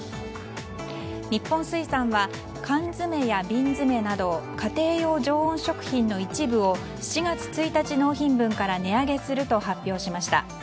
日本水産は缶詰や瓶詰など家庭用常温食品の一部を７月１日納品分から値上げすると発表しました。